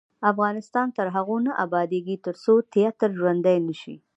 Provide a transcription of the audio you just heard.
افغانستان تر هغو نه ابادیږي، ترڅو تیاتر ژوندی نشي.